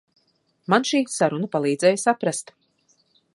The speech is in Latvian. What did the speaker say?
Man šī saruna palīdzēja saprast.